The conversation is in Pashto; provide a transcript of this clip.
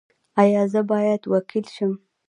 ایا زه باید وکیل شم؟